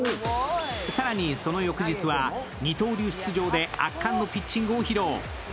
更にその翌日は二刀流出場で圧巻のピッチングを披露。